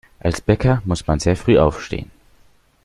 Als Bäcker muss man sehr früh aufstehen.